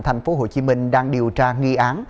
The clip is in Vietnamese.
thành phố hồ chí minh đang điều tra nghi án